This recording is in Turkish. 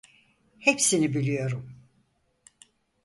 Hepsini biliyorum.